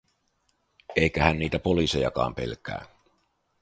Eikä hän niitä poliisejakaan pelkää.